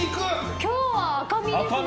今日は赤身ですね。